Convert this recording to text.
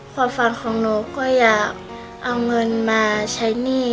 ผอดฟังของหนูก็อยากเยอะเงินมาใช้หนี้